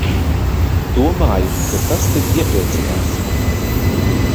Domāju, ka tas tevi iepriecinās.